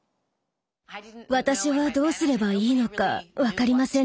私はどうすればいいのか分かりませんでした。